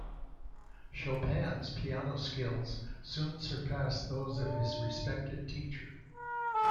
Chopin's piano skills soon surpassed those of his respected teacher.